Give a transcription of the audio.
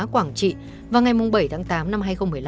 quảng trị vào ngày bảy tháng tám năm hai nghìn một mươi năm